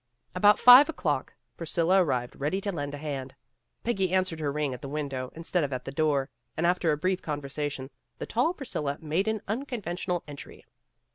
About five o'clock Priscilla arrived ready to lend a hand. Peggy answered her ring at the window, instead of at the door, and after a brief conversation, the tall Priscilla made an unconventional entry.